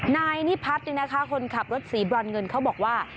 นายนิพัฒน์คนขับรถสีบรอนเงินเขาบอกว่า